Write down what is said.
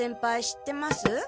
知ってます？